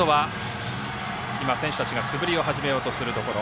選手たちが素振りを始めようとしているところ。